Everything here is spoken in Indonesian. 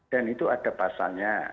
dan itu ada pasalnya